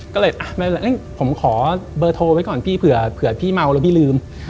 ก็เลยผมขอเบอร์โทรไว้ก่อนพี่เผื่อพี่เมาแล้วพี่ลืม